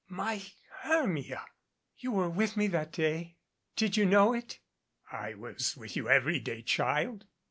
"My Hermia!" "You were with me that day. Didn't you know it?" "I was with you every day, child."